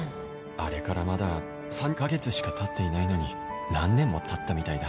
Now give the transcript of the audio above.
あれからまだ３カ月しか経っていないのに何年も経ったみたいだ